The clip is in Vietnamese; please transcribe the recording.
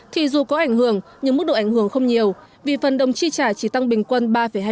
thì dù có ảnh hưởng nhưng mức độ ảnh hưởng không nhiều vì phần đồng chi trả chỉ tăng bình quân ba hai